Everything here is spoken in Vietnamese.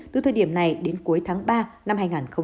từ thời điểm này đến cuối tháng ba năm hai nghìn hai mươi